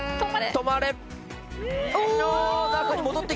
止まれ。